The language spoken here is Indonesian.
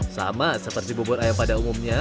sama seperti bubur ayam pada umumnya